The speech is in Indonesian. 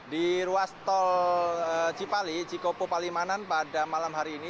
di ruas tol cipali cikopo palimanan pada malam hari ini